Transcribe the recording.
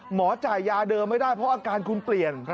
จ่ายยาเดิมไม่ได้เพราะอาการคุณเปลี่ยน